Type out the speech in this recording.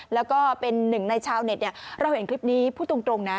แล้วก็เป็นหนึ่งในชาวเน็ตเราเห็นคลิปนี้พูดตรงนะ